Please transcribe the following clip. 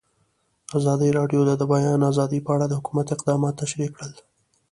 ازادي راډیو د د بیان آزادي په اړه د حکومت اقدامات تشریح کړي.